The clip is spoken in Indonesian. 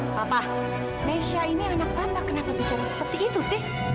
papa nesha ini anak bapak kenapa bicara seperti itu sih